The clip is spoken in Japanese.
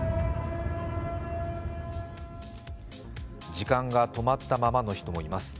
時間が止まったままの人もいます。